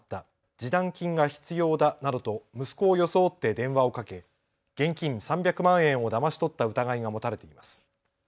示談金が必要だなどと息子を装って電話をかけ現金３００万円をだまし取った疑いが持たれています。